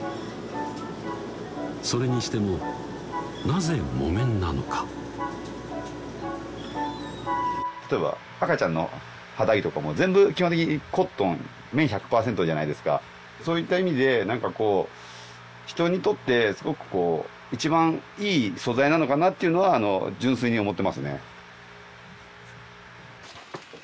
それにしてもなぜ木綿なのか例えば赤ちゃんの肌着とかも全部基本的にコットン綿１００％じゃないですかそういった意味で何かこう人にとってすごくこう一番いい素材なのかなっていうのは純粋に思ってますね